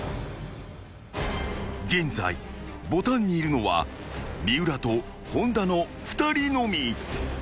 ［現在ボタンにいるのは三浦と本田の２人のみ］